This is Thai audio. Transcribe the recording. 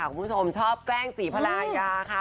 คุณผู้ชมชอบแกล้งศรีภรรยาค่ะ